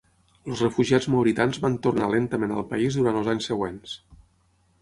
Els refugiats mauritans van tornar lentament al país durant els anys següents.